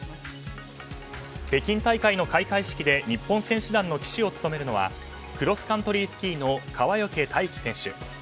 北京大会の開会式で日本選手団の旗手を務めるのはクロスカントリースキーの川除大輝選手。